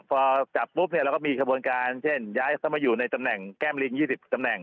พอจับปุ๊บเนี่ยเราก็มีขบวนการเช่นย้ายเข้ามาอยู่ในตำแหน่งแก้มลิง๒๐ตำแหน่ง